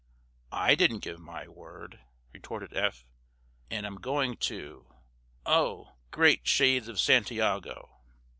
"I didn't give my word," retorted Eph, "and I'm going to—oh, great shades of Santiago!"